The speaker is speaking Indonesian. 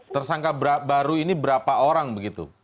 tersangka baru ini berapa orang begitu